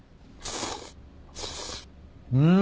うん。